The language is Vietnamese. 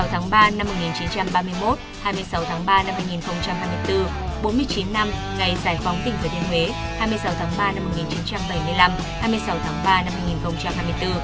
hai mươi tháng ba năm một nghìn chín trăm ba mươi một hai mươi sáu tháng ba năm hai nghìn hai mươi bốn bốn mươi chín năm ngày giải phóng tỉnh thừa thiên huế hai mươi sáu tháng ba năm một nghìn chín trăm bảy mươi năm hai mươi sáu tháng ba năm hai nghìn hai mươi bốn